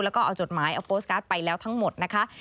แล้วก็เอาจดหมายเอาโฟสการ์ดไปแล้วทั้งหมดนะคะ